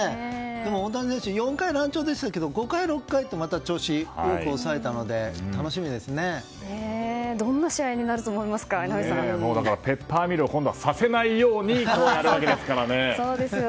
でも大谷選手、４回乱調でしたけど５回、６回とまた調子よく抑えたのでどんな試合になると思いますかペッパーミルを今度はさせないようにやるわけですからね。